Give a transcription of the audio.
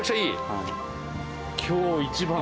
はい。